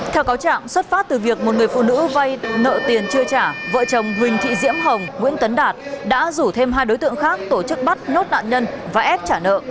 theo cáo trạng xuất phát từ việc một người phụ nữ vay nợ tiền chưa trả vợ chồng huỳnh thị diễm hồng nguyễn tấn đạt đã rủ thêm hai đối tượng khác tổ chức bắt nốt nạn nhân và ép trả nợ